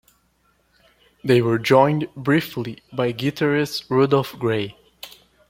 They were joined briefly by guitarist Rudolph Grey.